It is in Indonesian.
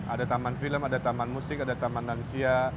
ada taman film ada taman musik ada taman lansia